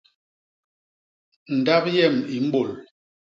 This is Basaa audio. Ndap yem i mbôl.